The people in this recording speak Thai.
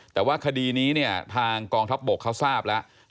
แต่ว่าคดีนี้เนี่ยทางกองทัพบกเขาทราบแล้ว